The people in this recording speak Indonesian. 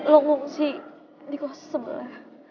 lo ngungsi di kos sebelah